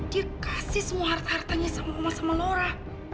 dia kasih semua hartanya sama omah sama laura